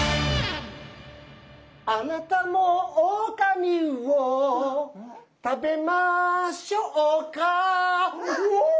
あなたもオオカミウオ食べましょうかウォー！